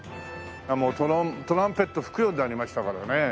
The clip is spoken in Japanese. もうトランペット吹くようになりましたからね。